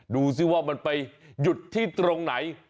ดูสิว่ามันไปหยุดที่ตรงไหน